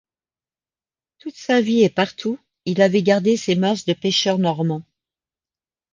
Toute sa vie et partout, il avait gardé ses mœurs de pêcheur normand.